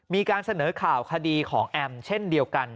มีการเสนอข่าวคดีของแอมเช่นเดียวกัน